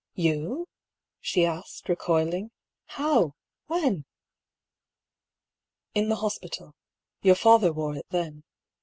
" You ?" she asked, recoiling. " How ? When ?"" In the hospital — your father wore it then.